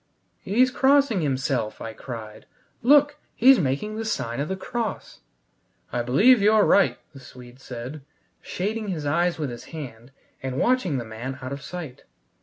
"He's crossing himself!" I cried. "Look, he's making the sign of the cross!" "I believe you're right," the Swede said, shading his eyes with his hand and watching the man out of sight.